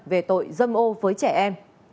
về tội dâm ô với trang